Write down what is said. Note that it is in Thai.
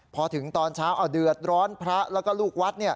พอถึงตอนเช้าเอาเดือดร้อนพระแล้วก็ลูกวัด